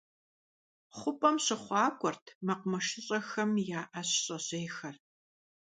Хъупӏэм щыхъуакӏуэрт мэкъумэщыщIэхэм я ӏэщ щӏэжьейхэр.